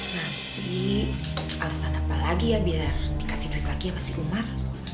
tapi alasan apa lagi ya biar dikasih duit lagi ya pak si umar